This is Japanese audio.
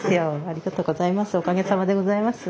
ありがとうございます。